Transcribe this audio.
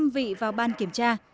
năm vị vào ban kiểm tra